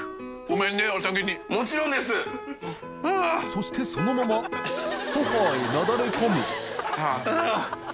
磴修靴そのままソファへなだれ込む△